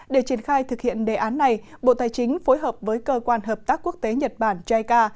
để triển khai thực hiện đề án này bộ tài chính phối hợp với cơ quan hợp tác quốc tế nhật bản jica